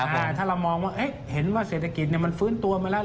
แต่ถ้าเรามองว่าเห็นว่าเศรษฐกิจมันฟื้นตัวมาแล้ว